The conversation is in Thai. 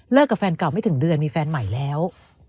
กับแฟนเก่าไม่ถึงเดือนมีแฟนใหม่แล้ว